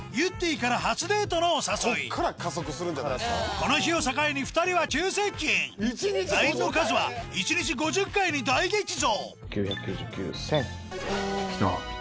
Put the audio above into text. この日を境に２人は急接近ＬＩＮＥの数は一日５０回に大激増来た。